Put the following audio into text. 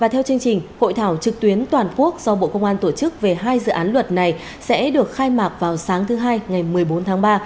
tổ chức toàn quốc do bộ công an tổ chức về hai dự án luật này sẽ được khai mạc vào sáng thứ hai ngày một mươi bốn tháng ba